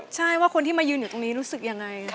ใช่ว่าคนที่มายืนอยู่ตรงนี้รู้สึกยังไง